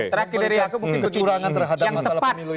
mencuri kecurangan terhadap masalah pemilu ini